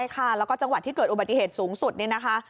ใช่ค่ะแล้วก็จังหวัดที่เกิดอุบัติเหตุสูงสุดเนี่ยนะคะ